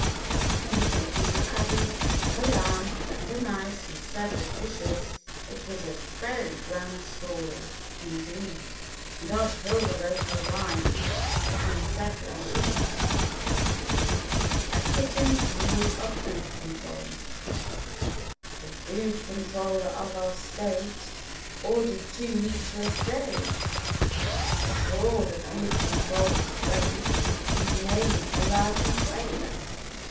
When the pictures were added, of a lamb and a mouse and several fishes, it was a very grand story, indeed, and Aunt Hilda wrote her rhymes on a sepa rate sheet. A KITTEN'S VIEW OF FOOD CONTROL The food controller of our State Ordered two meatless days; I'm sure the food controller's great. His name I '11 loudly praise.